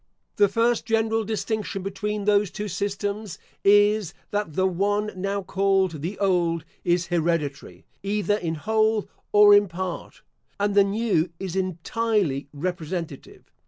The first general distinction between those two systems, is, that the one now called the old is hereditary, either in whole or in part; and the new is entirely representative.